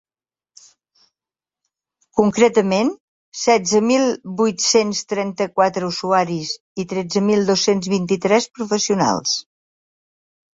Concretament, setze mil vuit-cents trenta-quatre usuaris i tretze mil dos-cents vint-i-tres professionals.